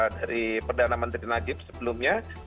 dari perdana menteri najib sebelumnya